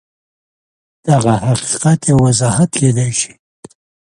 دغه حقیقت یو وضاحت کېدای شي